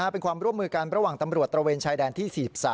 เป็นความร่วมมือกันระหว่างตำรวจตระเวนชายแดนที่๔๓